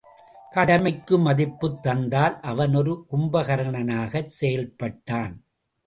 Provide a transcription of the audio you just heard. கடமைக்கு மதிப்புத் தந்ததால் அவன் ஒரு கும்பகருணனாகச் செயல்பட்டான்.